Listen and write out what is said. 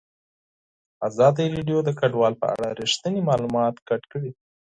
ازادي راډیو د کډوال په اړه رښتیني معلومات شریک کړي.